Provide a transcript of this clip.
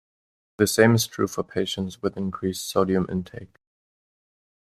The same is true for patients with increased sodium intake.